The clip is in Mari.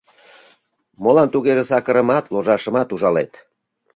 — Молан тугеже сакырымат, ложашымат ужалет?